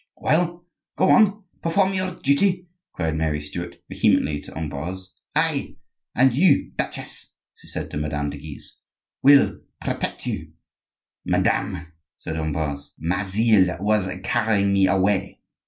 "Well, go on, perform your duty," cried Mary Stuart, vehemently, to Ambroise. "I—and you, duchess," she said to Madame de Guise,—"will protect you." "Madame," said Ambroise; "my zeal was carrying me away.